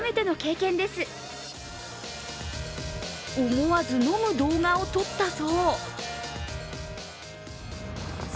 思わず飲む動画を撮ったそう。